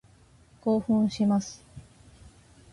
興奮します。